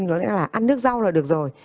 nói là ăn nước rau là được rồi